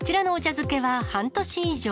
漬けは半年以上。